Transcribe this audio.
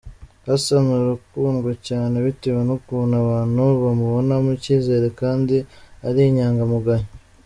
Hassan arakundwa cyane bitewe n’ukuntu abantu bamubonamo icyizere kandi ari inyangamugayo.